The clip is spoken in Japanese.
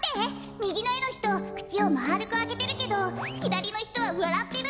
みぎのえのひとくちをまるくあけてるけどひだりのひとはわらってる。